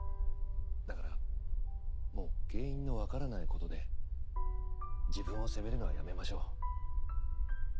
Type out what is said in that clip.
だからもう原因のわからないことで自分を責めるのはやめましょう。